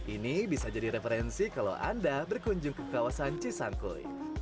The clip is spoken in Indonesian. ini bisa jadi referensi kalau anda berkunjung ke kawasan cisangkui